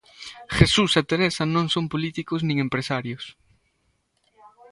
Jesús e Teresa non son políticos nin empresarios.